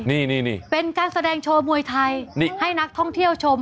นี่นี่เป็นการแสดงโชว์มวยไทยให้นักท่องเที่ยวชม